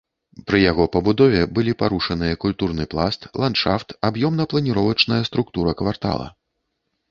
Пры яго пабудове былі парушаныя культурны пласт, ландшафт, аб'ёмна-планіровачная структура квартала.